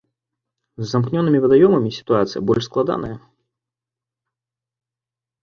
З замкнёнымі вадаёмамі сітуацыя больш складаная.